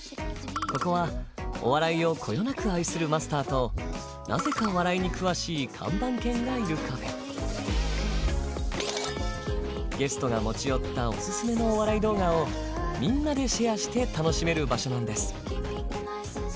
ここはお笑いをこよなく愛するマスターとなぜか笑いに詳しい看板犬がいるカフェゲストが持ち寄ったオススメのお笑い動画をみんなでシェアして楽しめる場所なんです